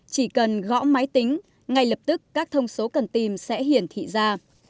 chỉ cần gõ máy tính ngay lập tức các thông số cần tìm sẽ hiển thị ra